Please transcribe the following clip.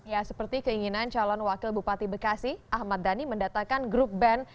ya seperti keinginan calon wakil bupati bekasi ahmad dhani mendatakan grup band